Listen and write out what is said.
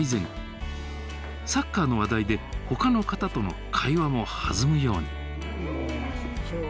サッカーの話題でほかの方との会話も弾むように。